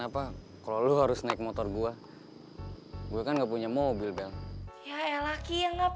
apa kalau lu harus naik motor gua gua kan enggak punya mobil dan ya eh laki yang enggak